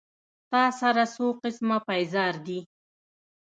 تا سره څو قسمه پېزار دي